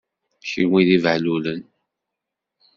Kenwi d ibehlulen!